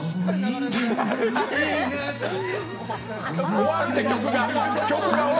終わるて、曲が！